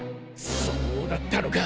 そうだったのか。